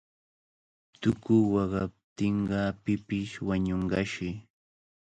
Tuku waqaptinqa pipish wañunqashi.